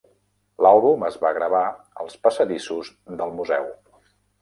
L'àlbum es va gravar als passadissos del museu.